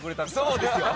そうですよ。